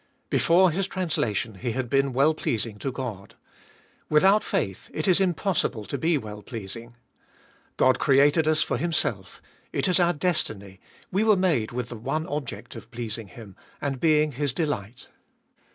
Before his translation he had been well pleasing to God. Without faith it is impossible to be well pleasing. God created us for Himself: it is our destiny, we were made with the one object of pleasing Him, and being His delight.